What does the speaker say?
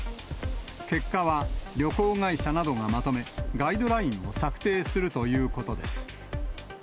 結果は旅行会社などがまとめ、ガイドラインを策定するということです。